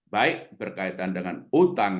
baik berkaitan dengan utang